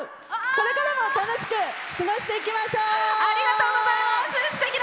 これからも楽しく過ごしていきましょう。